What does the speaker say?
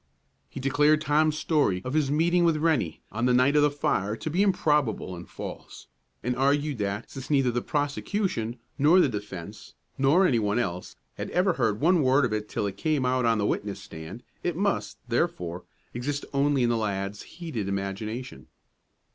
He declared Tom's story of his meeting with Rennie, on the night of the fire, to be improbable and false, and argued that since neither the prosecution, nor the defence, nor any one else, had ever heard one word of it till it came out on the witness stand, it must, therefore, exist only in the lad's heated imagination.